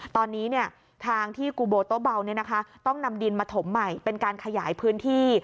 ตอนนี้ทางที่กูโบโตเบาต้องนำดินมาถมใหม่เป็นการขยายพื้นที่